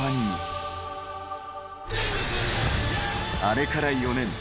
［あれから４年］